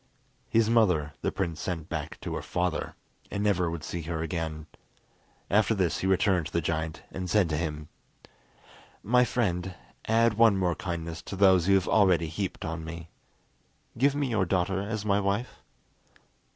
His mother the prince sent back to her father, and never would see her again. After this he returned to the giant, and said to him: "My friend, add one more kindness to those you have already heaped on me. Give me your daughter as my wife."